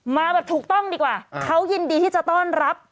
มาแบบถูกต้องดีกว่าเขายินดีที่จะต้อนรับ